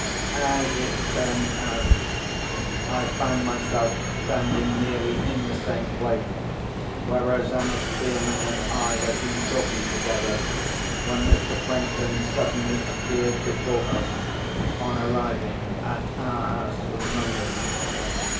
As it turned out, I found myself standing nearly in the same place where Rosanna Spearman and I had been talking together when Mr. Franklin suddenly appeared before us, on arriving at our house from London.